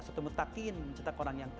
satu mutakin mencetak orang yang takwa